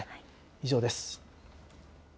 以上です。